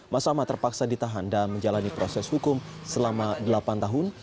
masamah terpaksa ditahan dan menjalani proses hukum selama delapan tahun